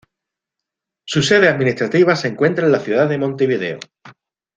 Su sede administrativa se encuentra en la ciudad de Montevideo.